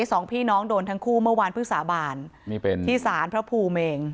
สองพี่น้องโดนทั้งคู่เมื่อวานเพิ่งสาบานนี่เป็นที่สารพระภูมิเอง